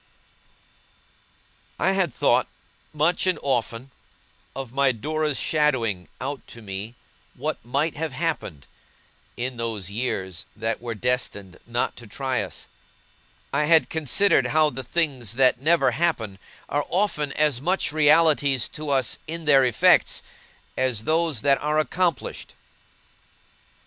I had thought, much and often, of my Dora's shadowing out to me what might have happened, in those years that were destined not to try us; I had considered how the things that never happen, are often as much realities to us, in their effects, as those that are accomplished.